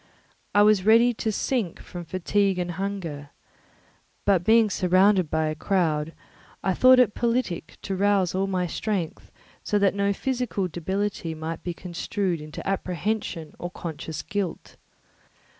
I was ready to sink from fatigue and hunger, but being surrounded by a crowd, I thought it politic to rouse all my strength, that no physical debility might be construed into apprehension or conscious guilt.